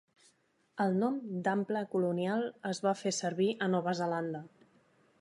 El nom d'Ample Colonial es va fer servir a Nova Zelanda.